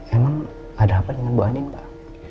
emang ada apa dengan bu aning pak